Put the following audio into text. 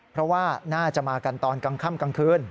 เพราะว่าน่าจะมากันตอนกลางค่ำกลางคืน